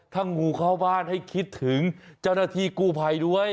ถ้างูเข้าบ้านให้คิดถึงเจ้าหน้าที่กู้ภัยด้วย